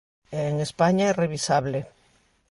E en España é revisable.